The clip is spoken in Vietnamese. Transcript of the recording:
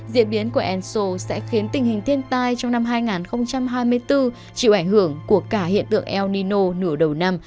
diễn biến của enso sẽ khiến tình hình thiên tai trong năm hai nghìn hai mươi bốn chịu ảnh hưởng của cả hiện tượng el nino nửa đầu năm